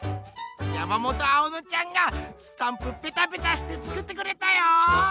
やまもとあおのちゃんがスタンプペタペタしてつくってくれたよ！